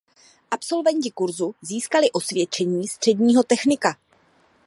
Absolventi kurzu získali osvědčení středního technika.